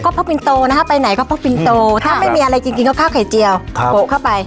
ก็พกปินโต้นะครับไปไหนก็พกปินโต้ถ้าไม่มีอะไรกินกินข้าวข้าวไข่เจียวโปะเข้าไป